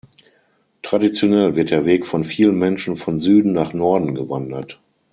Traditionell wird der Weg von vielen Menschen von Süden nach Norden gewandert.